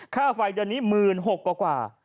ค่าไฟเดือนนี้๑๖๐๐กว่า